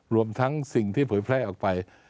รวมทั้งสิ่งที่เผยแพร่ออกไป